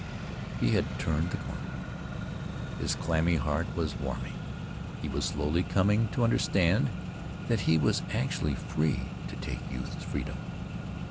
He had turned the corner. His clammy heart was warming. He was slowly coming to understand that he was actually free to take youth's freedom.